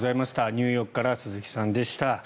ニューヨークから鈴木さんでした。